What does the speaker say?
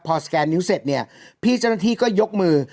พอสแกนนิ้วเสร็จเนี่ยพี่เจ้าหน้าที่ก็ยกมือ